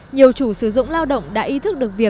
nhiều chủ sử dụng lao động đã ý thức được việc